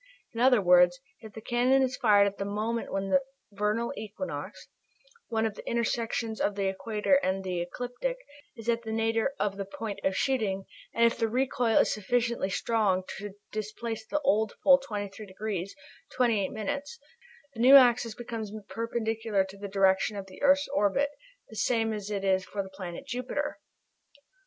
In other words, if the cannon is fired at the moment when the vernal equinox one of the intersections of the equator and the ecliptic is at the nadir of the point of shooting, and if the recoil is sufficiently strong to displace the old pole 23 degrees, 28 minutes, the new axis becomes perpendicular to the direction of the earth's orbit, the same as it is for the planet Jupiter.